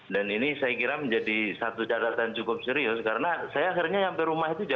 dan ini saya kira menjadi satu catatan cukup serius karena saya akhirnya sampai rumah itu jam dua